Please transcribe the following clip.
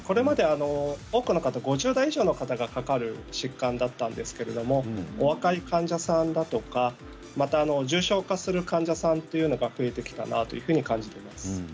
これまで多くの方、５０代以上の方がかかる疾患だったんですけれど若い患者さんだとか重症化する患者さんが増えてきたと感じています。